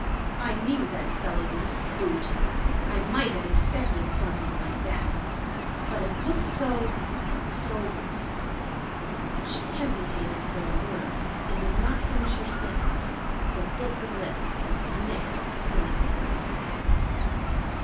"I knew that fellow was a brute. I might have expected something like that. But it looked so so " She hesitated for a word, and did not finish her sentence, but bit her lip and sniffed cynically.